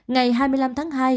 ngày hai mươi năm tháng hai